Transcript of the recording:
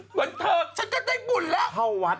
เหมือนเธอฉันก็ได้บุญแล้ว